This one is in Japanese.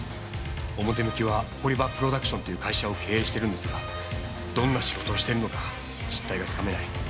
表向きは堀場プロダクションという会社を経営しているんですがどんな仕事をしているのか実態がつかめない。